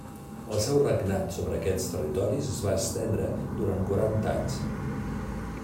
El seu regnat sobre aquests territoris es va estendre durant quaranta anys.